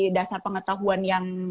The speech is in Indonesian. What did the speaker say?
dasar pengetahuan yang